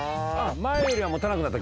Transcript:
前よりは持たなくなった？